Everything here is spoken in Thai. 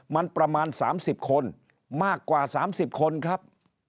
มันประมาณ๓๐คนมากกว่า๓๐คนครับ